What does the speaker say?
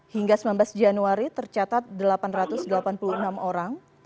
hingga sembilan belas januari tercatat delapan ratus delapan puluh enam orang